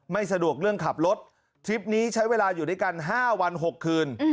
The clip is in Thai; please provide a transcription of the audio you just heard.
ไม่สะดวกเรื่องขับรถทริปนี้ใช้เวลาอยู่ด้วยกัน๕วัน๖คืน